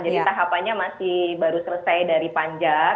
jadi tahapannya masih baru selesai dari panjang